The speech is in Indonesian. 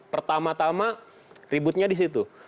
pertama tama ributnya di situ